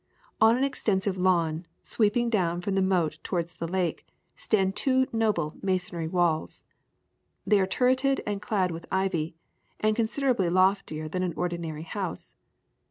On an extensive lawn, sweeping down from the moat towards the lake, stand two noble masonry walls. They are turreted and clad with ivy, and considerably loftier than any ordinary house.